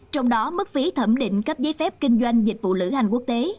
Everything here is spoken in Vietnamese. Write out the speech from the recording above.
trong đó mức phí thẩm định cấp giấy phép kinh doanh dịch vụ lữ hành quốc tế